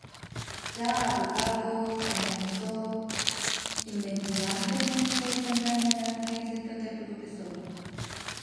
Ya abogado comenzó inmediatamente la carrera de profesor.